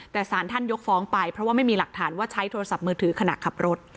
แต่สารท่านยกฟ้องไปเพราะว่าไม่มีหลักฐานว่าใช้โทรศัพท์มือถือขณะขับรถ